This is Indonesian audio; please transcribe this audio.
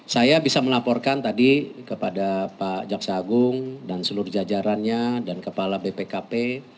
saya bisa melaporkan tadi kepada pak jaksa agung dan seluruh jajarannya dan kepala bpkp